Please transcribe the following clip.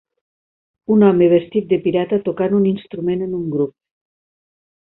Un home vestit de pirata tocant un instrument en un grup.